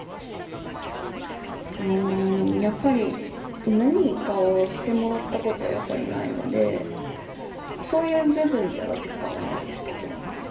やっぱり何かをしてもらったことはやっぱりないのでそういう部分では実感はないですけど。